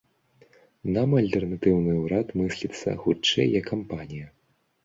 Нам альтэрнатыўны ўрад мысліцца, хутчэй, як кампанія.